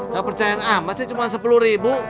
gak percaya namanya sih cuma sepuluh ribu